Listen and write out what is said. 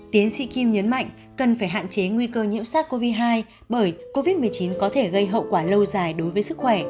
tiến sĩ kim nhấn mạnh cần phải hạn chế nguy cơ nhiễm sars cov hai bởi covid một mươi chín có thể gây hậu quả lâu dài đối với sức khỏe